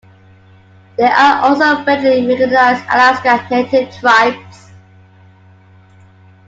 There are also federally recognized Alaska Native tribes.